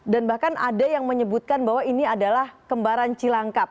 dan bahkan ada yang menyebutkan bahwa ini adalah kembaran cilangkap